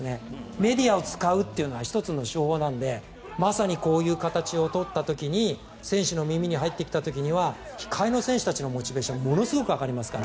メディアを使うというのは１つの手法なのでまさにこういう形を取った時に選手の耳に入ってきた時には控えの選手たちのモチベーションものすごく上がりますから。